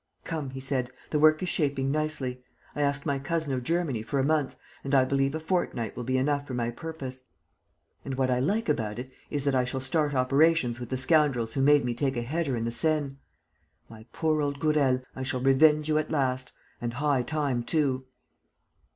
"Come," he said, "the work is shaping nicely. I asked my cousin of Germany for a month and I believe a fortnight will be enough for my purpose. And what I like about it is that I shall start operations with the scoundrels who made me take a header in the Seine. My poor old Gourel, I shall revenge you at last. And high time too!"